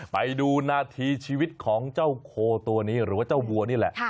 ไปดูนาทีชีวิตของเจ้าโคตัวนี้หรือว่าเจ้าวัวนี่แหละ